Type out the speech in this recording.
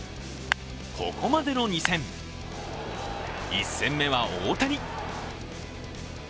ここまでの２戦、１戦目は大谷。